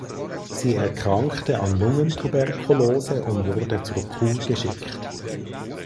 Sie erkrankte an Lungentuberkulose und wurde zur Kur geschickt.